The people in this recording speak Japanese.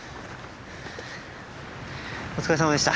お疲れさまでした。